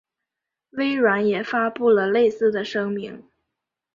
微软也发布了类似的声明。